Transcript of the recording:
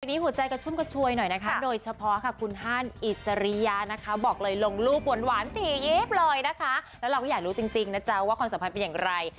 ทีนี้หัวใจกระชุ่มกระชวยหน่อยนะคะโดยเฉพาะค่ะคุณฮันอิสริยานะคะบอกเลยลงรูปหวานตียิบเลยนะคะแล้วเราก็อยากรู้จริงนะจ๊ะว่าความสัมพันธ์เป็นอย่างไร